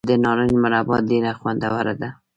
د نارنج مربا ډیره خوندوره ده.